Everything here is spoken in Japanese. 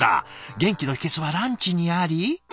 元気の秘けつはランチにあり？